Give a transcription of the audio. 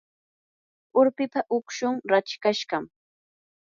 urpipa ukshun rachikashqam.